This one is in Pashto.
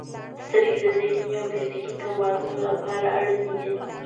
• سترګې د ذهني او فزیکي توازن لپاره اړینې دي.